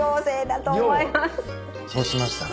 そうしましたら。